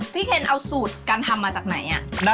เคนเอาสูตรการทำมาจากไหน